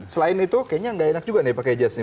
selain itu kayaknya nggak enak juga nih pakai jas nih